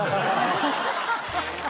ハハハハッ。